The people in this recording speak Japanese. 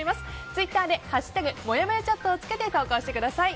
ツイッターで「＃もやもやチャット」をつけて投稿してください。